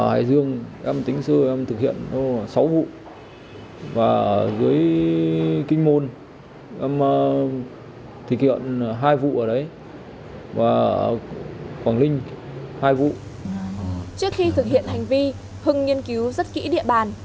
hải dương em tính sư em thực hiện sáu vụ và dưới kinh môn em thực hiện hai vụ ở đấy